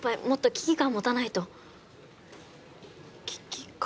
危機感。